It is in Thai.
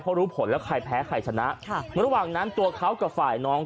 เพราะรู้ผลแล้วใครแพ้ใครชนะค่ะระหว่างนั้นตัวเขากับฝ่ายน้อง